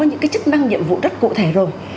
những cái chức năng nhiệm vụ rất cụ thể rồi